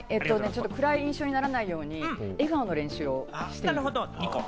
暗い印象にならないように笑顔の練習をする。